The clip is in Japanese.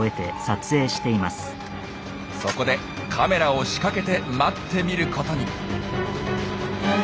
そこでカメラを仕掛けて待ってみることに。